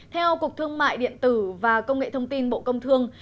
theo cục thương mại điện tử và công nghệ thông tin bộ công thương